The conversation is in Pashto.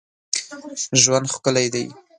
ژوند ښکلی دی